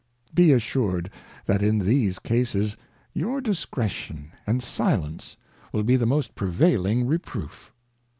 Be assur'd, that in these Cases youxiDiscretion and Silence yyj^ be the most prevailing Hejyroof.